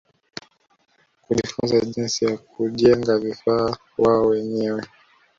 Kujifunza jinsi ya kujenga vifaa wao wenyewe